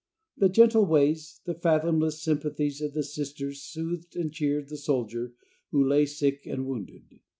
The gentle ways, the fathomless sympathies of the Sisters soothed and cheered the soldier who lay sick and wounded.